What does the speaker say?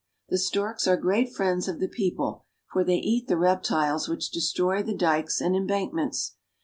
The storks are great friends of the people, for they eat the reptiles which destroy the dikes and embankments.